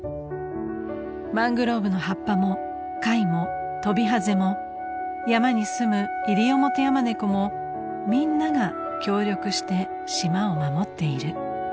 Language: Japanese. ［マングローブの葉っぱも貝もトビハゼも山にすむイリオモテヤマネコもみんなが協力して島を守っている］